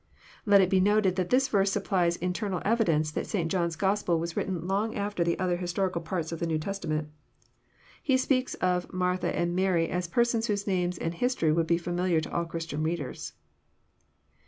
Let it be noted that this' verse supplies internal evidence that St. John's Gospel was written long after the other historical parts of the New Testament. He speaks of Martha and Mary as persons whose names and history would be familiar to all Christian readers.